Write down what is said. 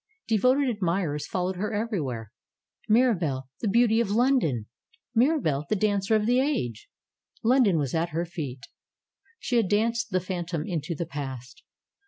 Devoted admirers fol lowed her everywhere. Mirabelle, the beauty of Lon don ! Mirabelle, the dancer of the age ! London was at her feet. She had danced the phantom into the past.